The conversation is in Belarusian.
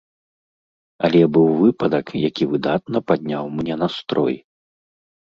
Але быў выпадак, які выдатна падняў мне настрой.